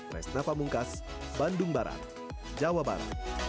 resnava mungkas bandung barat jawa barat